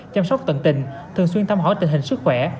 chăm sóc tận tình thường xuyên thăm hỏi tình hình sức khỏe